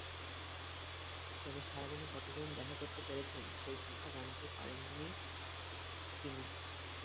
তবে সারা দিনে কতজন দেখা করতে পেরেছেন, সেই সংখ্যা জানাতে পারেননি তিনি।